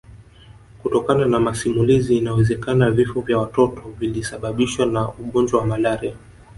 Kutokana na masimulizi inawezekana vifo vya watoto vilisababishwa na ugonjwa wa malaria